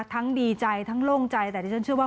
ดีใจทั้งโล่งใจแต่ที่ฉันเชื่อว่า